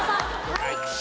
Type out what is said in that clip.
はい。